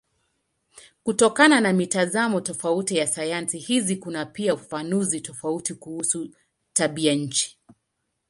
Kutokana na mitazamo tofauti ya sayansi hizi kuna pia ufafanuzi tofauti kuhusu tabianchi.